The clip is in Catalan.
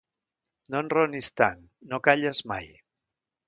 No enraonis tant: no calles mai!